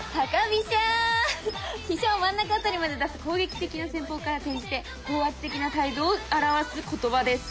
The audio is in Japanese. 飛車を真ん中あたりまで出す攻撃的な戦法から転じて高圧的な態度を表す言葉です。